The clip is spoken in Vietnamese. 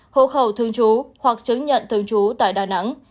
hộ khẩu thương chú hoặc chứng nhận thương chú tại đà nẵng